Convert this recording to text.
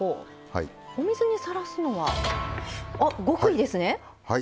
お水にさらすのは極意ですね。